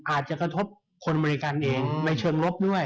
อาจจะกระทบคนบริการเองในเชิงรถด้วย